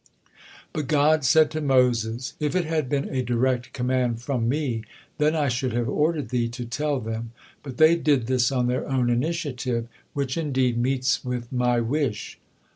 But God said to Moses: "If it had been a direct command from Me, then I should have ordered thee to tell them, but they did this on their own initiative, which indeed meets with My wish."